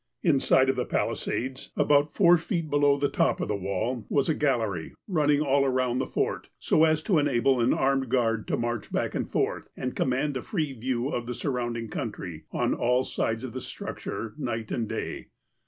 Inside of the palisades, about four feet below the top of 51 62 THE APOSTLE OF ALASKA the wall, was a gallery, ruuuing all around the Fort, so as to enable an armed guard to march back and forth, and command a free view of the surrounding country on all sides of the structure, night and day.